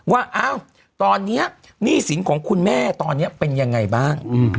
ว่าอ้าวตอนนี้หนี้สินของคุณแม่ตอนนี้เป็นยังไงบ้าง